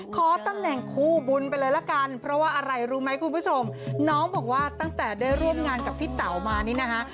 ขอตำแหน่งคู่บุญไปเลยละกันเพราะว่าอะไรรู้ไหมคุณผู้ชมน้องบอกว่าตั้งแต่ได้ร่วมงานกับพี่เต๋ามานี่นะคะ